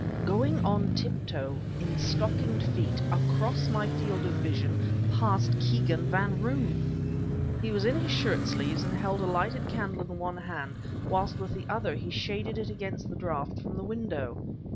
Going on tiptoe, in stockinged feet, across my field of vision, passed Kegan Van Roon! He was in his shirt sleeves and held a lighted candle in one hand whilst with the other he shaded it against the draught from the window.